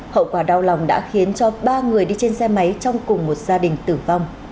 hậu quả đau lòng đã khiến cho ba người đi trên xe máy trong cùng một gia đình tử vong